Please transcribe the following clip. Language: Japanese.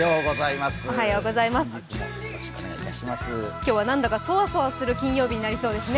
今日は何だかそわそわする金曜日になりそうですね。